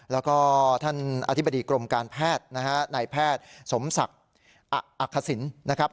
แล้วก็ท่านอธิบดีกรมการแพทย์นะฮะนายแพทย์สมศักดิ์อักษิณนะครับ